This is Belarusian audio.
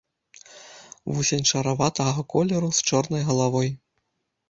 Вусень шараватага колеру з чорнай галавой.